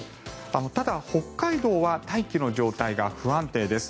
ただ、北海道は大気の状態が不安定です。